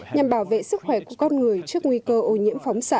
nhằm bảo vệ sức khỏe của con người trước nguy cơ ô nhiễm phóng xạ